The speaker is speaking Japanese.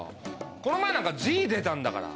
この前なんかＧ出たんだから。